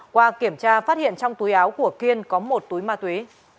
qua kiểm tra phát hiện trong túi áo của kiên có một túi ma túy